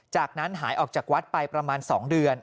จากนั้นหายออกจากวัดไปประมาณ๒เดือน